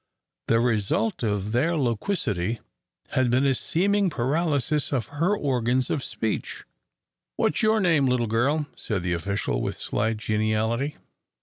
The result of their loquacity had been a seeming paralysis of her organs of speech. "What's your name, little girl?" said the official, with slight geniality.